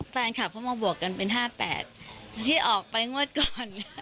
แฟนคลับเขามาบวกกันเป็น๕๘ที่ออกไปงวดก่อน